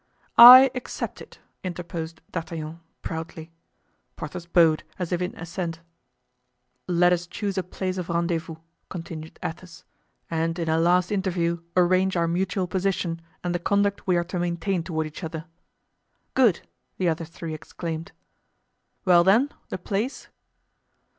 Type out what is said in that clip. "I accept it," interposed D'Artagnan, proudly. Porthos bowed, as if in assent. "Let us choose a place of rendezvous," continued Athos, "and in a last interview arrange our mutual position and the conduct we are to maintain toward each other." "Good!" the other three exclaimed. "Well, then, the place?"